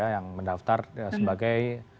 yang mendaftar sebagai